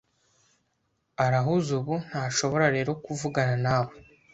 Arahuze ubu, ntashobora rero kuvugana nawe.